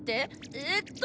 えっと。